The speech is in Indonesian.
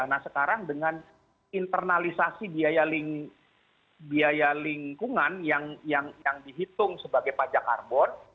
nah sekarang dengan internalisasi biaya lingkungan yang dihitung sebagai pajak karbon